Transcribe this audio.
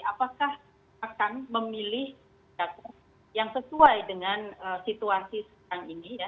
apakah akan memilih yang sesuai dengan situasi sekarang ini